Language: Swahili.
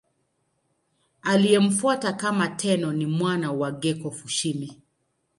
Aliyemfuata kama Tenno ni mwana wake Go-Fushimi.